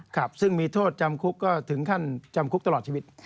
ครับซึ่งมีโทษจำคุกก็ถึงขั้นจำคุกตลอดชีวิต